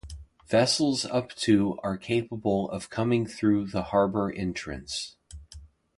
Vessels up to are capable of coming through the harbour entrance.